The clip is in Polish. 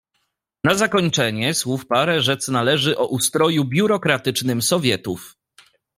"Na zakończenie słów parę rzec należy o ustroju biurokratycznym Sowietów."